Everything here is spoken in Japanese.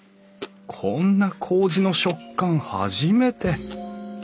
こんなこうじの食感初めて。